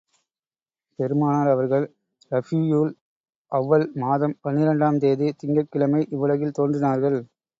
பெருமானார் அவர்கள், ரபீயுல் அவ்வல் மாதம் பன்னிரண்டாம் தேதி, திங்கட்கிழமை இவ்வுலகில் தோன்றினார்கள்.